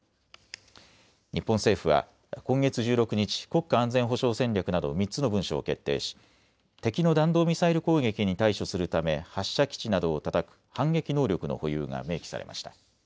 日本政府は今月１６日、国家安全保障戦略など３つの文書を決定し敵の弾道ミサイル攻撃に対処するため発射基地などをたたく反撃能力の保有が明記されました。